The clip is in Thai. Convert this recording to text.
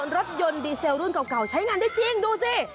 รถยนต์ดีเซลรุ่นเก่าใช้งานได้จริงดูสิ